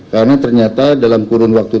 karena ternyata dalam kurun waktu